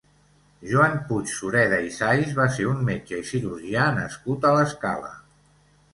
Juan Puig-Sureda i Sais va ser un metge i cirurgià nascut a l'Escala.